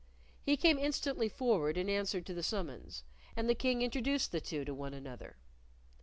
He came instantly forward in answer to the summons, and the King introduced the two to one another.